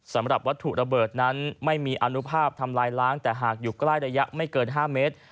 สำหรับวัตถุระเบิดนั้นไม่มีอนุภาพทำลายล้างแต่หากอยู่ใกล้ระยะไม่เกิน๕เมตร